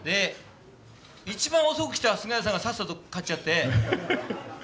一番遅く来た菅家さんがさっさと勝っちゃって次に我々が。